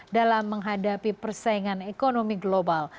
dalam menghadapi persaingan ekonomi global